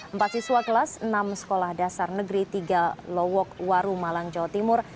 empat siswa kelas enam sekolah dasar negeri tiga lowok waru malang jawa timur